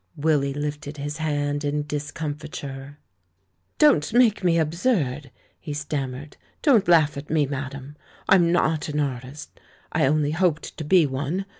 Willy lifted his hand in discomfiture. "Don't make me absurd," he stammered; "don't laugh at me, madame! I'm. not an artist, I only hoped to be one.